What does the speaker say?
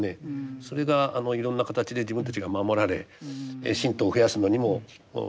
それがいろんな形で自分たちが守られ信徒を増やすのにもいい効果があると。